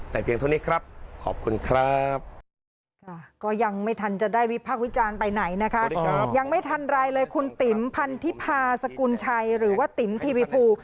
แต่เพียงเท่านี้ครับขอบคุณครับ